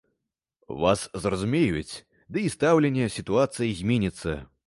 Вас зразумеюць, ды і стаўленне, сітуацыя зменіцца.